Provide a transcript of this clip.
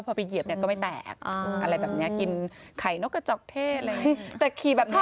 พอไปเหยียบก็ไม่แตกอะไรแบบนี้กินไข่โน๊กกระจอกเทศอะไรอย่างนี้